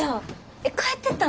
えっ帰ってたん？